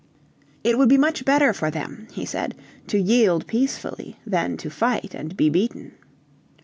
It would be much better for them, he said, to yield peacefully than to fight and be beaten.